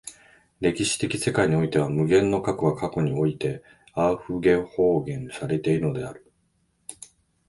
歴史的世界においては無限の過去が現在においてアウフゲホーベンされているのである。